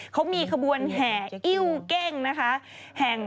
เขามีขบวนแห่อิ้วเก้งนะคะ